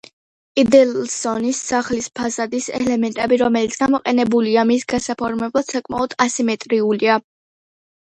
იდელსონის სახლის ფასადის ელემენტები, რომელიც გამოყენებულია მის გასაფორმებლად საკმად ასიმეტრიულია.